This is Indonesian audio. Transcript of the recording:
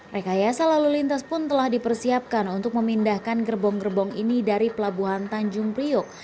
rekayasa lalu lintas pun telah dipersiapkan untuk memindahkan gerbong gerbong ini dari pelabuhan tanjung priok